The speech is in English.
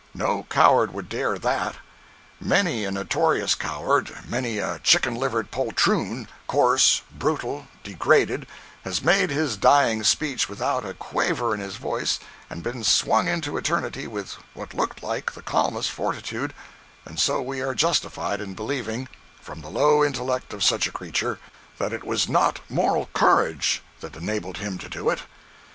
No coward would dare that. Many a notorious coward, many a chicken livered poltroon, coarse, brutal, degraded, has made his dying speech without a quaver in his voice and been swung into eternity with what looked liked the calmest fortitude, and so we are justified in believing, from the low intellect of such a creature, that it was not moral courage that enabled him to do it.